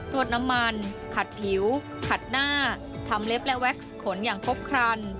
วดน้ำมันขัดผิวขัดหน้าทำเล็บและแว็กซ์ขนอย่างครบครัน